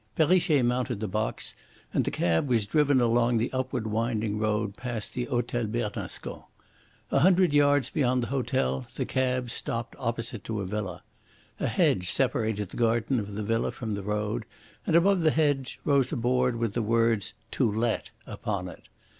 Perrichet mounted the box, and the cab was driven along the upward winding road past the Hotel Bernascon. A hundred yards beyond the hotel the cab stopped opposite to a villa. A hedge separated the garden of the villa from the road, and above the hedge rose a board with the words "To Let" upon it.